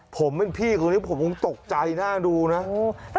ผมเป็นพี่คนนี้ผมคงตกใจน่าดูนะ